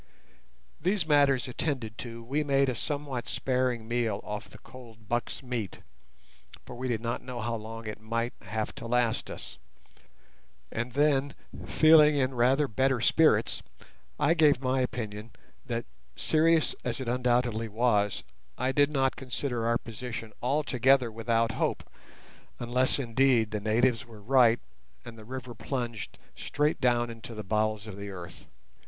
These matters attended to, we made a somewhat sparing meal off the cold buck's meat (for we did not know how long it might have to last us), and then feeling in rather better spirits I gave my opinion that, serious as it undoubtedly was, I did not consider our position altogether without hope, unless, indeed, the natives were right, and the river plunged straight down into the bowels of the earth.